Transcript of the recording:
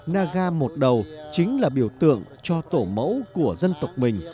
naga một đầu chính là biểu tượng cho tổ mẫu của dân tộc mình